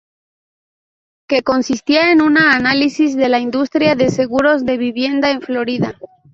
Que consistía en un análisis de la industria de seguros de vivienda en Florida.